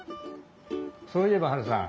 そういえばハルさん。